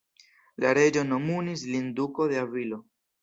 La reĝo nomumis lin Duko de Avilo.